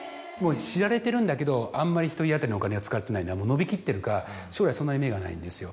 知られてるんだけどあんまり１人当たりのお金を使ってないのは伸びきってるから将来そんなに芽がないんですよ。